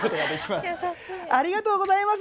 「ありがとうございます。